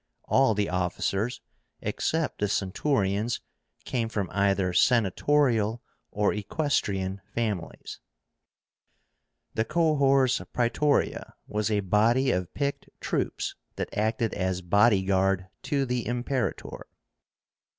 All the officers, except the centurions, came from either senatorial or equestrian families. The COHORS PRAETORIA was a body of picked troops that acted as body guard to the Imperator.